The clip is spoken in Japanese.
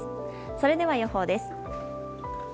それでは、予報です。